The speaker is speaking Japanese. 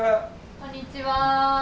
こんにちは。